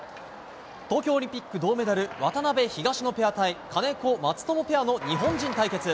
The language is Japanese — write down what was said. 東京オリンピック銅メダル渡辺、東野ペア対金子、松友ペアの日本人対決。